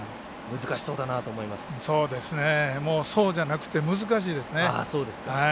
難しそうじゃなくて難しいですね。